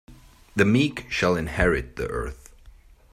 The meek shall inherit the earth.